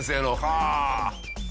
はあ。